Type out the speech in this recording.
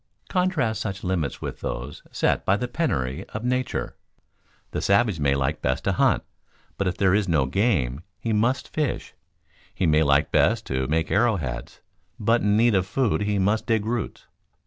Contrast such limits with those set by the penury of nature. The savage may like best to hunt, but if there is no game, he must fish; he may like best to make arrowheads, but in need of food he must dig roots.